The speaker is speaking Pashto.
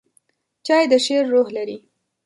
چای د شعر روح لري.